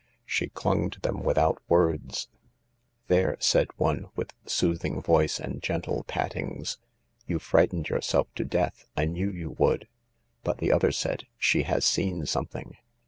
She clung to them without words. 20 THE LARK "There," said one, with soothing voice and gentle pat tings, " you've frightened yourself to death — I knew you would." But the other said, " She has seen something."